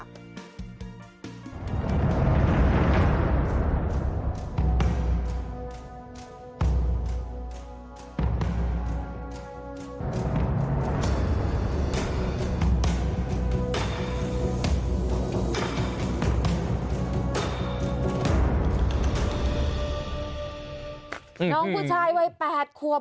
น้องผู้ชายวัย๘ขวบ